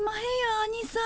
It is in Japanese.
アニさん。